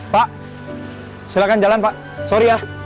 pak silakan jalan pak sorry ya